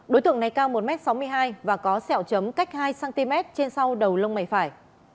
đối tượng này cao một m sáu mươi hai và có sẹo chấm cách hai cm trên sau đầu lông mày phải